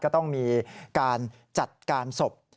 ก็ต้องมีการจัดการศพ